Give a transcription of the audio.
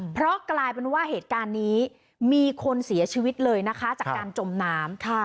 เพราะกลายเป็นว่าเหตุการณ์นี้มีคนเสียชีวิตเลยนะคะจากการจมน้ำ